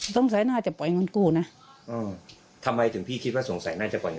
สงสัยน่าจะปล่อยเงินกู้นะอืมทำไมถึงพี่คิดว่าสงสัยน่าจะปล่อยอย่าง